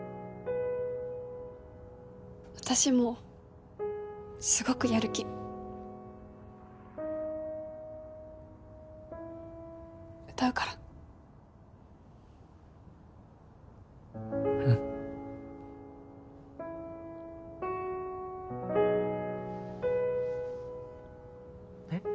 私もすごくやる気歌うからうんえっ？